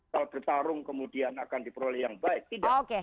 kalau bertarung kemudian akan diperoleh yang baik tidak